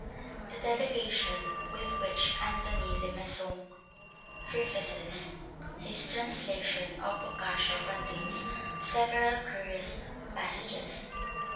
The dedication with which Anthony Le Maçon prefaces his translation of Boccaccio contains several curious passages.